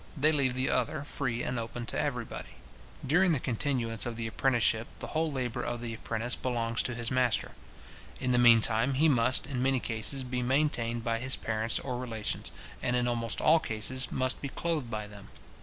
They leave the other free and open to every body. During the continuance of the apprenticeship, the whole labour of the apprentice belongs to his master. In the meantime he must, in many cases, be maintained by his parents or relations, and, in almost all cases, must be clothed by them.